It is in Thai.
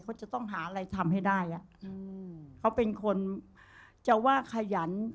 เขาจะต้องหาอะไรทำให้ได้อ่ะเขาเป็นคนจะว่าขยันก็ไม่เชิง